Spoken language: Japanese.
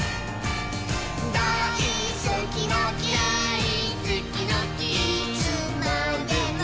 「いつまでも」